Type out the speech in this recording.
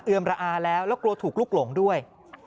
ระอาแล้วแล้วกลัวถูกลุกหลงด้วย